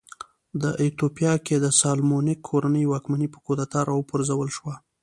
په ایتوپیا کې د سالومونیک کورنۍ واکمني په کودتا راوپرځول شوه.